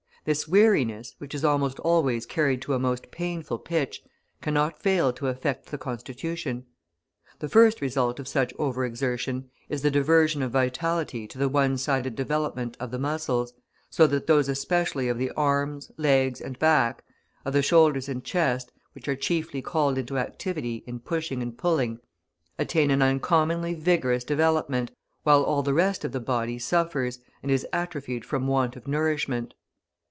This weariness, which is almost always carried to a most painful pitch, cannot fail to affect the constitution. The first result of such over exertion is the diversion of vitality to the one sided development of the muscles, so that those especially of the arms, legs, and back, of the shoulders and chest, which are chiefly called into activity in pushing and pulling, attain an uncommonly vigorous development, while all the rest of the body suffers and is atrophied from want of nourishment.